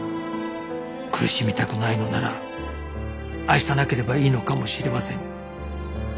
苦しみたくないのなら愛さなければいいのかもしれません